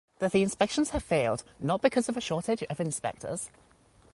But the inspections have failed not because of a shortage of inspectors.